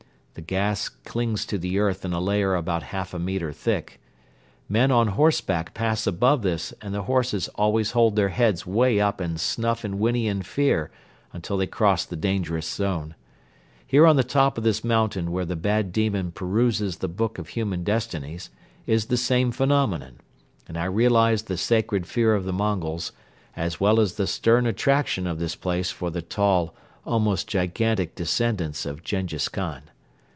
The gas clings to the earth in a layer about half a metre thick. Men on horseback pass above this and the horses always hold their heads way up and snuff and whinny in fear until they cross the dangerous zone. Here on the top of this mountain where the bad demon peruses the book of human destinies is the same phenomenon, and I realized the sacred fear of the Mongols as well as the stern attraction of this place for the tall, almost gigantic descendants of Jenghiz Khan.